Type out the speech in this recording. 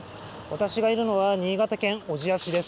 私がいるのは新潟県小千谷市です。